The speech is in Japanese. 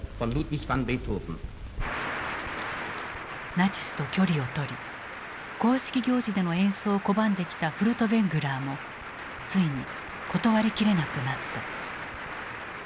ナチスと距離をとり公式行事での演奏を拒んできたフルトヴェングラーもついに断り切れなくなった。